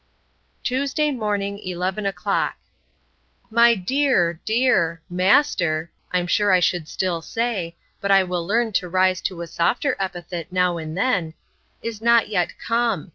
Tuesday morning, eleven o'clock. My dear, dear—master (I'm sure I should still say; but I will learn to rise to a softer epithet, now and then) is not yet come.